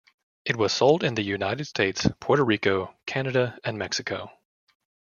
It was sold in the United States, Puerto Rico, Canada and Mexico.